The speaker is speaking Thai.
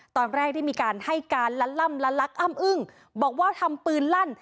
ตอนแรกได้มีการให้การละล่ำละลักอ้ำอึ้งบอกว่าทำปืนลั่น